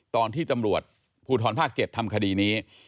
ตอนที่ตำรวจภูทรภาค๗ทำคดีนี้